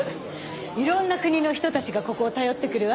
いろんな国の人たちがここを頼ってくるわ。